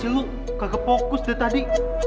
gak nge focus deh tadi